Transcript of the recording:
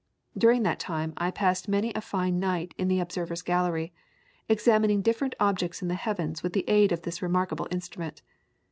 During that time I passed many a fine night in the observer's gallery, examining different objects in the heavens with the aid of this remarkable instrument.